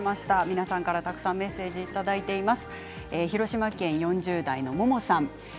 皆さんからたくさんメッセージいただいています。